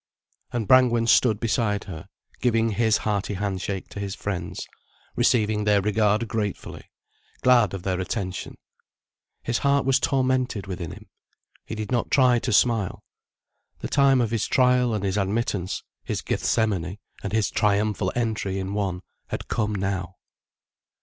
And Brangwen stood beside her, giving his hearty handshake to his friends, receiving their regard gratefully, glad of their attention. His heart was tormented within him, he did not try to smile. The time of his trial and his admittance, his Gethsemane and his Triumphal Entry in one, had come now.